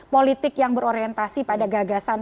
politik yang berorientasi pada gagasan